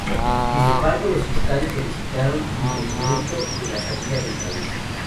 Sin embargo, los fiscales solicitaron impedimento de salida del país.